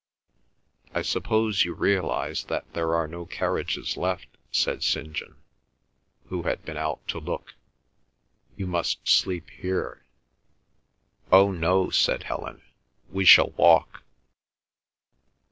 "I suppose you realise that there are no carriages left?" said St. John, who had been out to look. "You must sleep here." "Oh, no," said Helen; "we shall walk."